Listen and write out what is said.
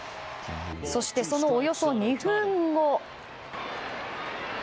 そして、そのおよそ２分後。